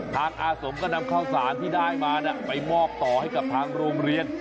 อาสมก็นำข้าวสารที่ได้มาไปมอบต่อให้กับทางโรงเรียน